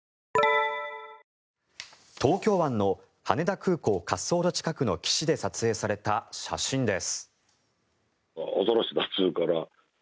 東京湾の羽田空港滑走路近くの岸で撮影された写真です。